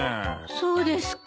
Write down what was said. そうですか。